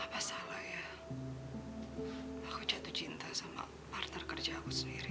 apa salah ya aku jatuh cinta sama parter kerja aku sendiri